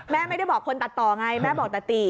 แม่ไม่ได้บอกคนตัดต่อไงแม่บอกตัดติ